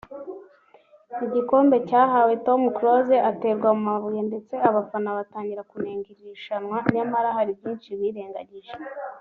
igikombe cyahawe Tom Close aterwa amabuye ndetse abafana batangira kunenga iri rushanwa nyamara hari byinshi birengagije